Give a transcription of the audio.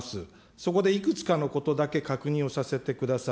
そこで、いくつかのことだけ確認をさせてください。